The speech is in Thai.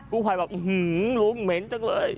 ผู้ภัยบอกลุงเหม็นจังเลย